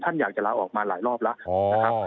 ท่านอยากจะล้าออกมาหลายรอบแล้ว